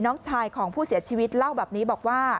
น้องชายของผู้เสียชีวิตเล่าแบบนี้บอกว่า